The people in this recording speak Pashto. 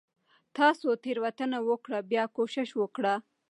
تاسو تيروتنه وکړه . بيا کوشش وکړه